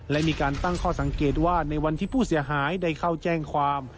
และมีการตั้งข้อสังเกตว่าในวันที่ผู้เสียหายได้เข้าแจ้งความ